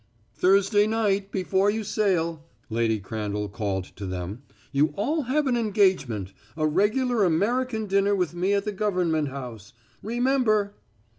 "Thursday night, before you sail," Lady Crandall called to them, "you all have an engagement a regular American dinner with me at the Government House. Remember!"